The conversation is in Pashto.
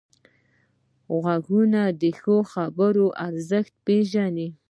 غوږونه د ښو خبرو ارزښت پېژني